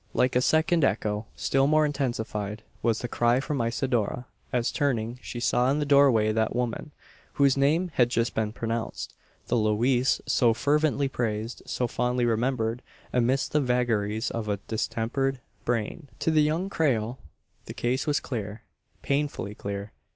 Like a second echo, still more intensified, was the cry from Isidora; as turning, she saw in the doorway that woman, whose name had just been pronounced the "Louise" so fervently praised, so fondly remembered, amidst the vagaries of a distempered brain. To the young Creole the case was clear painfully clear.